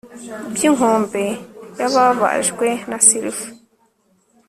bya inkombe yababajwe na surf